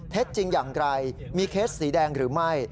จริงอย่างไรมีเคสสีแดงหรือไม่